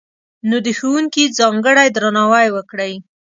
نو، د ښوونکي ځانګړی درناوی وکړئ!